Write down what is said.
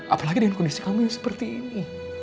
apalagi dengan kondisi kamu yang seperti ini